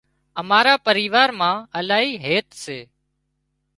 امارا پريوار مان الاهي هيت سي